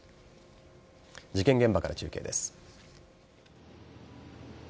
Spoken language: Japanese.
事件現場から中継です。